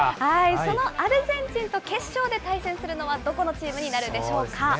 そのアルゼンチンと決勝で対戦するのはどこのチームになるんどっちでしょう。